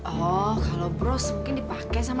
oh kalau bros mungkin dipake sama sama